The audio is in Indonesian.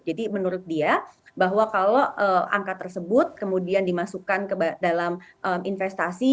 jadi menurut dia bahwa kalau angka tersebut kemudian dimasukkan ke dalam investasi